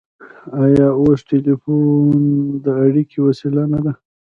آیا اوس ټیلیفون د اړیکې وسیله نه ده؟